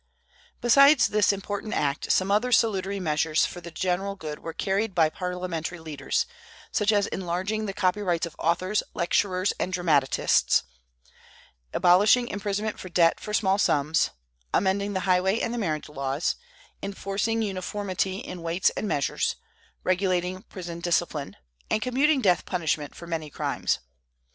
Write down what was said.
Besides this important act, some other salutary measures for the general good were carried by parliamentary leaders, such as enlarging the copyrights of authors, lecturers, and dramatists; abolishing imprisonment for debt for small sums; amending the highway and the marriage laws; enforcing uniformity in weights and measures, regulating prison discipline, and commuting death punishment for many crimes.